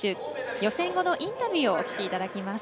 予選後のインタビューをお聞きいただきます。